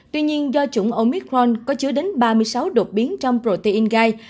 tuy nhiên do chủng omicron có chứa đến ba mươi sáu đột biến trong protein gai